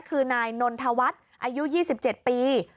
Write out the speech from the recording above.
คือนายนนทวัฒน์อายุ๒๗ปี